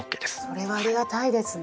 それはありがたいですね。